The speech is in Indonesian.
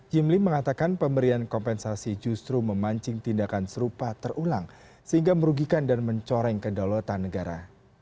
jimli mengatakan pemberian kompensasi justru memancing tindakan serupa terulang sehingga merugikan dan mencoreng kedaulatan negara